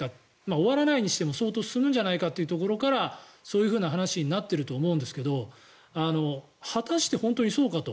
終わらないにしても相当進むんじゃないかというところからそういうふうな話になっていると思うんですが果たして本当にそうかと。